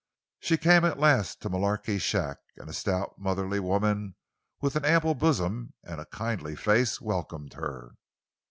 She came at last to Mullarky's shack, and a stout, motherly woman, with an ample bosom and a kindly face, welcomed her.